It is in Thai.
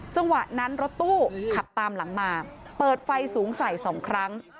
จังหวะนั้นรถตู้ขับตามหลังมาเปิดไฟสูงใส่๒ครั้ง